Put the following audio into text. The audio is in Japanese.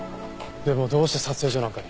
でもどうして撮影所なんかに。